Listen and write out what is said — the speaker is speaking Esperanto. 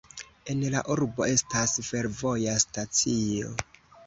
En la urbo estas fervoja stacio.